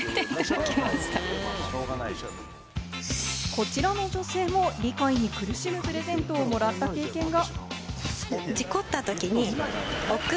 こちらの女性も理解に苦しむプレゼントをもらった経験が。